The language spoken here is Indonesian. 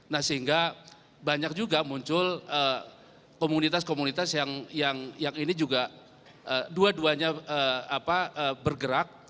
nah sehingga banyak juga muncul komunitas komunitas yang ini juga dua duanya bergerak